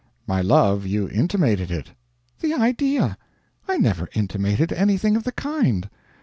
"My love, you intimated it." "The idea! I never intimated anything of the kind."